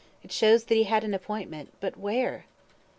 "It shows that he had an appointment but where?"